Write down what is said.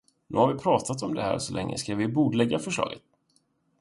Nu har vi pratat om det här så länge ska vi bordlägga förslaget?